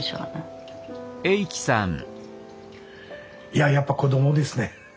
いややっぱ子どもですね。